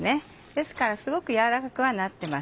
ですからすごく軟らかくはなってません。